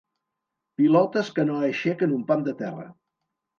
Pilotes que no aixequen un pam de terra.